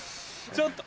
ちょっと。